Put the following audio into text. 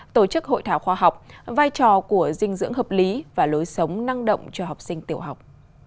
tổ chức hội thảo khoa học vai trò của dinh dưỡng hợp lý và lối sống năng động cho học sinh tiểu học